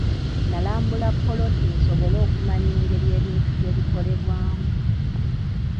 Nalambula ppoloti nsobole okumanya engeri ebintu gye bikolebwamu.